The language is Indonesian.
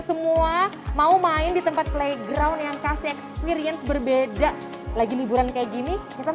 semua mau main di tempat playground yang kasih experience berbeda lagi liburan kayak gini kita